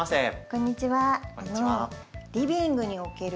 こんにちは。